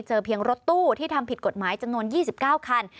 เพียงรถตู้ที่ทำผิดกฎหมายจำนวน๒๙คัน